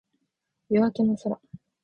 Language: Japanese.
夜明けの空